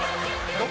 どこ」